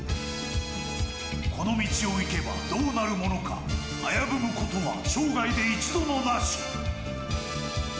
この道を行けば、どうなるものか危ぶむことは生涯で一度もなし。